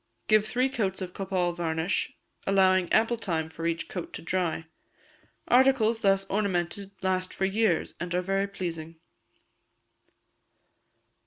Give three coats of copal varnish, allowing ample time for each coat to dry. Articles thus ornamented last for years, and are very pleasing.